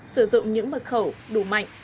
sử dụng những mật khẩu đủ mạnh